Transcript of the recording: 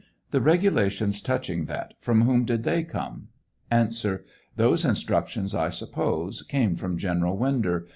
The regulations touching that, from whom did they come ? A. Those instructions, I suppose, came from General Winder.